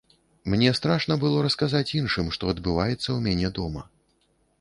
Мне страшна было расказаць іншым, што адбываецца ў мяне дома.